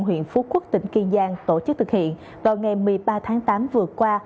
huyện phú quốc tỉnh kiên giang tổ chức thực hiện vào ngày một mươi ba tháng tám vừa qua